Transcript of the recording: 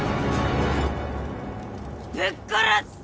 ぶっ殺す！